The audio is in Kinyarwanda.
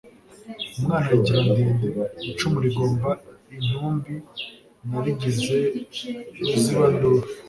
Umwana ayigira ndende, Icumu ligomba intumbi naligize ruzibanduru